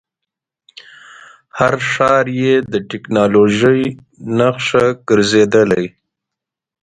هر ښار یې د ټکنالوژۍ نښه ګرځېدلی.